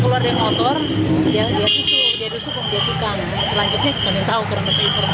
bapak bapak sekeluar sekeluar dari motor dia disukung dia dikikam